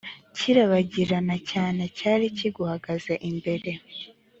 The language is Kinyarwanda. kirabagirana cyane cyari kiguhagaze imbere